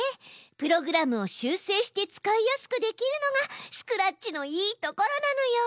プログラムを修正して使いやすくできるのがスクラッチのいいところなのよ！